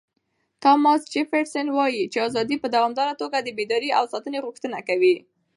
تاماس جفرسن وایي چې ازادي په دوامداره توګه د بیدارۍ او ساتنې غوښتنه کوي.